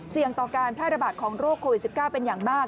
ต่อการแพร่ระบาดของโรคโควิด๑๙เป็นอย่างมาก